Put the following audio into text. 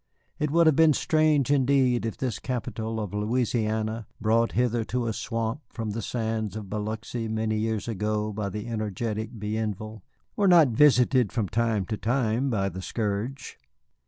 It would have been strange indeed if this capital of Louisiana, brought hither to a swamp from the sands of Biloxi many years ago by the energetic Bienville, were not visited from time to time by the scourge!